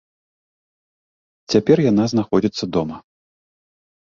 Цяпер яна знаходзіцца дома.